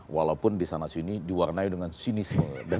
walaupun di sana sini diwarnai dengan sinisme